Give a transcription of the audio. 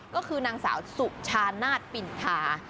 ก็คือนางสาวสุชานาศปินทา